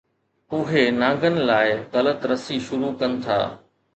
اهي نانگن لاءِ غلط رسي شروع ڪن ٿا.